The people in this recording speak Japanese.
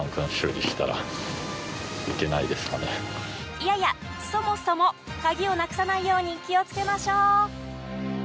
いやいやそもそも、鍵をなくさないように気をつけましょう。